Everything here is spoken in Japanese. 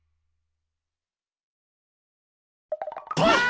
ばあっ！